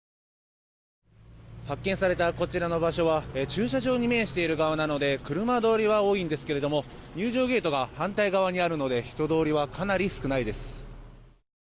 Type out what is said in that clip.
発見されたこちらの場所は駐車場に面している側なので車通りは多いんですけれども入場ゲートが反対側にあるので人通りはかなり少ないです。